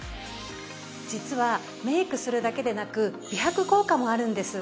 実はメイクするだけでなく美白効果もあるんです。